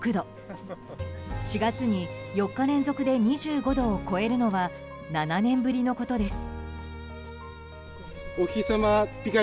４月に４日連続で２５度を超えるのは７年ぶりのことです。